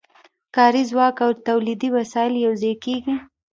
کاري ځواک او تولیدي وسایل یوځای کېږي